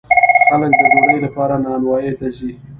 خلک د ډوډۍ لپاره نانواییو ته ځي.